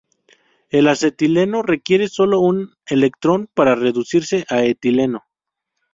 El acetileno requiere sólo un electrón para reducirse a etileno.